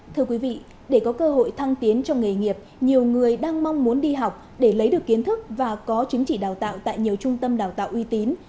thưa quý vị để có cơ hội thăng tiến trong nghề nghiệp nhiều người đang mong muốn đi học để lấy được kiến thức và có chứng chỉ đào tạo tại nhiều trung tâm đào tạo uy tín